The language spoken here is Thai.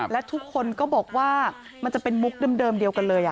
และทุกคนก็บอกว่ามันจะเป็นมุกเดิมเดียวกันเลย